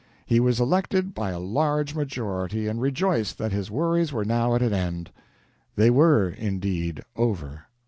He was elected by a large majority, and rejoiced that his worries were now at an end. They were, indeed, over.